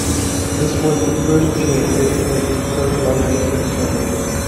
This was the first chair dedicated to Sociology in Germany.